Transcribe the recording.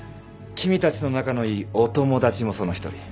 君たちと仲のいいお友達もその１人。